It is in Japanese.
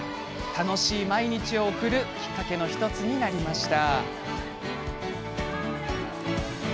楽しい毎日を送るきっかけの１つになりました。